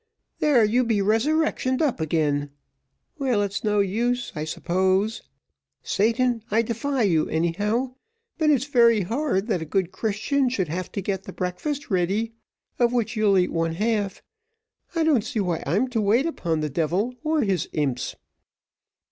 There you be resurrectioned up again. Well, it's no use, I suppose. Satan, I defy you, anyhow, but it's very hard that a good Christian should have to get the breakfast ready, of which you'll eat one half; I don't see why I'm to wait upon the devil or his imps."